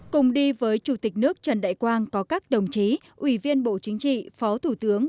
cùng đi với chủ tịch nước trần đại quang có các đồng chí ủy viên bộ chính trị phó thủ tướng